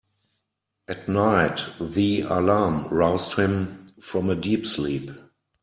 At night the alarm roused him from a deep sleep.